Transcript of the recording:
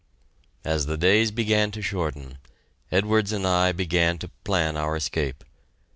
As the days began to shorten, Edwards and I began to plan our escape.